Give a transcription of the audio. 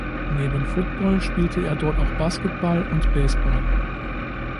Neben Football spielte er dort auch Basketball und Baseball.